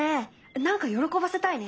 何か喜ばせたいね。